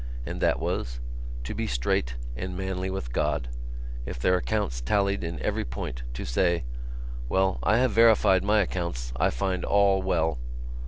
And that was: to be straight and manly with God. If their accounts tallied in every point to say: "Well, I have verified my accounts. I find all well."